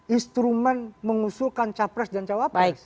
instrumen mengusulkan capres dan cawapres